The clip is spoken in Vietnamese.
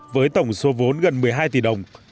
với tổng số vốn gần một mươi hai tỷ đồng